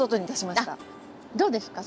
どうですか？